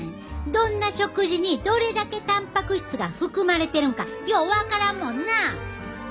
どんな食事にどれだけたんぱく質が含まれてるんかよう分からんもんな！